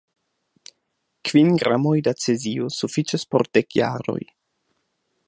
Kvin gramoj da cezio sufiĉas por dek jaroj.